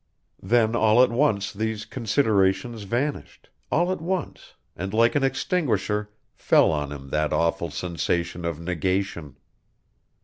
Then all at once these considerations vanished, all at once, and like an extinguisher, fell on him that awful sensation of negation.